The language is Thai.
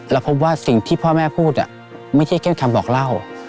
พบว่าสิ่งที่พ่อแม่พูดไม่ใช่แค่คำบอกเล่า